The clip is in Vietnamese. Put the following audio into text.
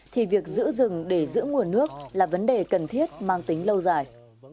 thì việc giữ rừng để giữ nguồn nước là vấn đề cần thiết mang tính lâu dài